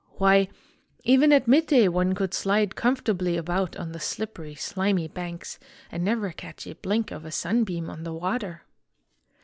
Why, even at mid day one could slide comfortably about on the slippery, slimy banks and never catch a blink of a sunbeam on the water."